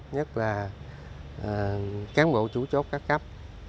nhất là cán bộ chủ chốt các cấp